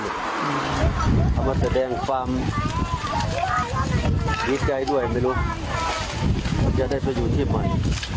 เอามาแสดงความดีใจด้วยไม่รู้เขาจะได้ไปอยู่ที่ใหม่